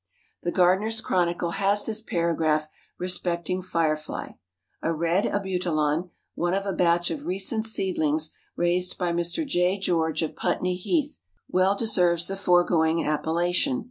The Gardener's Chronicle has this paragraph respecting Firefly: A red Abutilon, one of a batch of recent seedlings raised by Mr. J. George of Putney Heath, well deserves the foregoing appellation.